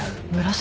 紫？